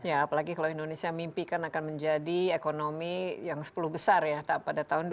ya apalagi kalau indonesia mimpikan akan menjadi ekonomi yang sepuluh besar ya pada tahun dua ribu tiga puluh